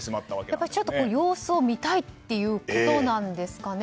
やっぱり様子を見たいということなんですかね。